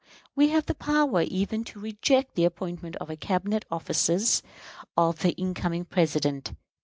We have the power even to reject the appointment of the Cabinet officers of the incoming President.